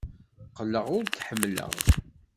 Qqleɣ ur k-ḥemmleɣ.